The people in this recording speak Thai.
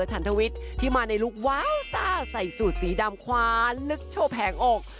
ทันทวิทย์ที่มาในลุคว้าวซ่าใส่สูตรสีดำคว้าลึกโชว์แผงอก